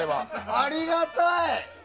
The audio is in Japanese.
ありがたい！